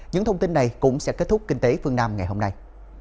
những thông tin này cũng sẽ kết thúc kinh tế phương nam ngày hôm nay